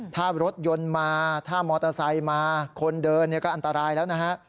ถ้ารถยนต์มาถ้ามอเตอร์ไซค์มาคนเดินก็อันตรายแล้วนะฮะ